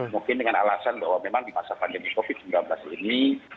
mungkin dengan alasan bahwa memang di masa pandemi covid sembilan belas ini